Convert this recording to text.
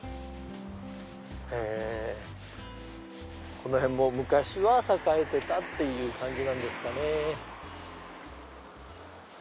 この辺も昔は栄えてたって感じなんですかね。